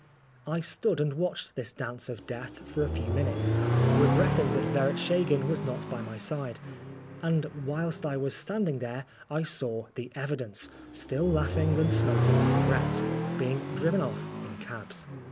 I stood and watched this dance of death for a few minutes, regretting that Veretschagin was not by my side ; and whilst I was standing there, I saw The Evidence, still laughing and smoking cigarettes, being driven off in cabs.